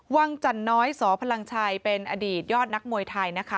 วังจันน้อยสพลังชัยเป็นอดีตยอดนักมวยไทยนะคะ